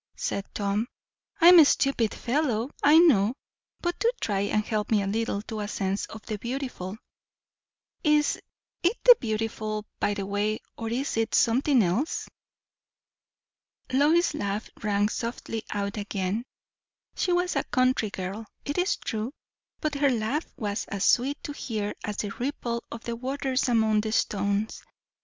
said Tom. "I'm a stupid fellow, I know; but do try and help me a little to a sense of the beautiful. Is it the beautiful, by the way, or is it something else?" Lois's laugh rang softly out again. She was a country girl, it is true; but her laugh was as sweet to hear as the ripple of the waters among the stones.